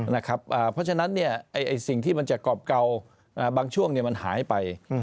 เพราะฉะนั้นสิ่งที่มันจะกรอบเก่าบางช่วงมันหายไป